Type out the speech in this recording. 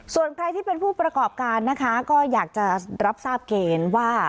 ส่วนใครที่เป็นผู้ประกอบการนะคะก็อยากจะรับทราบเกณฑ์ว่า